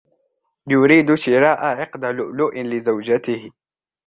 يريد شراء عقد لؤلؤ لزوجته.